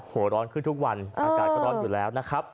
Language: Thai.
หัวร้อนขึ้นทุกวันอากาศก็ร้อนอยู่แล้วนะครับ